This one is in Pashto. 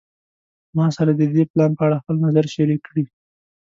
ما سره د دې پلان په اړه خپل نظر شریک کړی